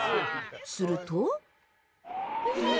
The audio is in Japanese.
すると。